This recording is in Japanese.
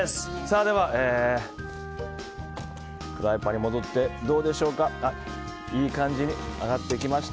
では、フライパンに戻っていい感じに揚がってきました。